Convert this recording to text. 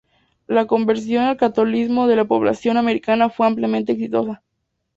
La conversión al catolicismo de la población americana fue ampliamente exitosa.